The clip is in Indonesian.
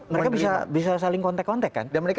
mereka bisa saling kontek kontek kan